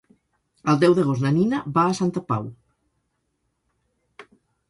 El deu d'agost na Nina va a Santa Pau.